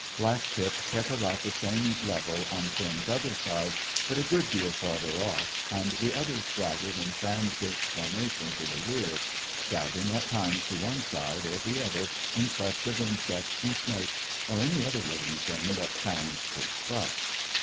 Black tip kept about the same level on Finn's other side, but a good deal farther off, and the others straggled in fan shaped formation to the rear, scouting at times to one side or the other in quest of insects and snakes, or any other living thing that fangs could crush.